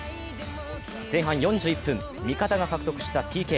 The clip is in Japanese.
前半４１分、味方が獲得したＰＫ。